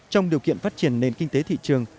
trong điều kiện phát triển nền kinh tế thị trường